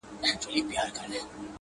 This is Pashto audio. • د پښتو ژبي چوپړ ته وقف کړی دی ,